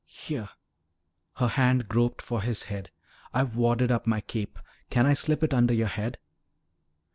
"Here." Her hand groped for his head. "I've wadded up my cape. Can I slip it under your head?"